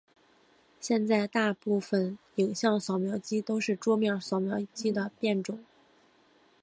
现在大部份影像扫描机都是桌面扫描机的变种。